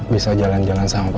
bisa jalan jalan sama papa